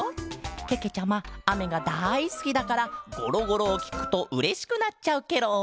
けけちゃまあめがだいすきだからゴロゴロをきくとうれしくなっちゃうケロ！